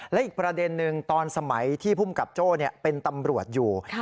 และอีกประเด็นหนึ่งตอนสมัยที่ภูมิกับโจ้เป็นตำรวจอยู่